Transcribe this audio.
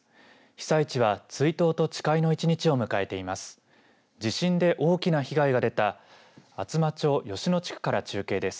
被災地は追悼と誓いの１日を迎えています。